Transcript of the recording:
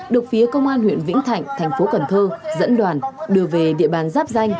được phía công an huyện vĩnh thạnh thành phố cần thơ dẫn đoàn đưa về địa bàn giáp danh